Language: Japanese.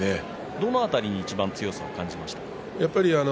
どの辺りに強さを感じましたか。